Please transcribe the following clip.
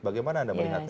bagaimana anda melihatnya